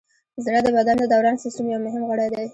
زړه د بدن د دوران سیستم یو مهم غړی دی.